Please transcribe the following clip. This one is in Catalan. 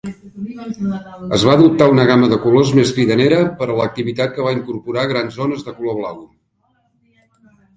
Es va adoptar una gama de colors més cridanera per a l'activitat que va incorporar grans zones de color blau.